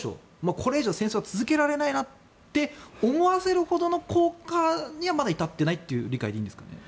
これ以上戦争は続けられないなって思わせるほどの効果にはまだ至っていないという理解でいいんですかね。